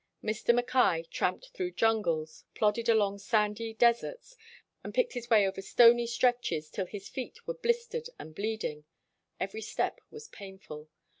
Mr. Mackay tramped through jungles, plodded along sandy des erts, and picked his way over stony stretches till his feet were blistered and bleeding. Every step was painful.